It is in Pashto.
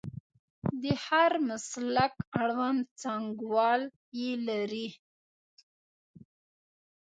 د هر مسلک اړوند څانګوال یې لري.